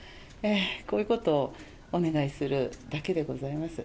こういうことをお願いするだけでございます。